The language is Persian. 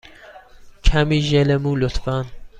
کمی ژل مو، لطفا.